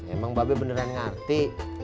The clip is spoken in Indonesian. emang mbak be beneran ngerti